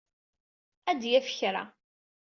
Ad d-yaf kra.